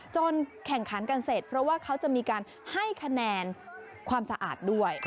แข่งขันกันเสร็จเพราะว่าเขาจะมีการให้คะแนนความสะอาดด้วย